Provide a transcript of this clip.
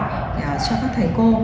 cho các thầy cô